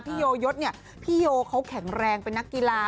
พี่โยยดเขาแข็งแรงเป็นนักกีฬา